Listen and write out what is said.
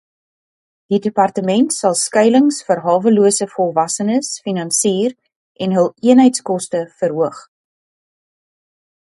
Die departement sal skuilings vir hawelose volwassenes finansier en hul eenheidskoste verhoog.